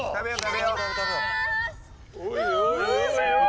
おいおい